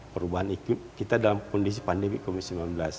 perubahan ekip kita dalam kondisi pandemik komisi sembilan belas